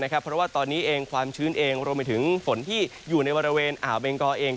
เพราะว่าตอนนี้เองความชื้นเองรวมไปถึงฝนที่อยู่ในบริเวณอ่าวเบงกอเอง